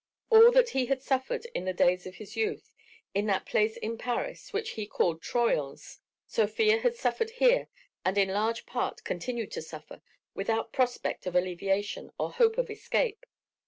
All that he had suffered in the days of his youth, in that place in Paris which he called Troyon's, Sofia had suffered here and in large part continued to suffer without prospect of alleviation or hope of escape.